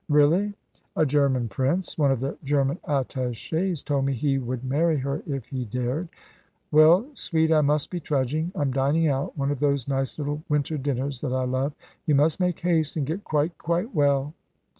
"Really?" "A German Prince. One of the German attachés told me he would marry her if he dared. Well, sweet, I must be trudging. I'm dining out, one of those nice little winter dinners that I love. You must make haste and get quite, quite well."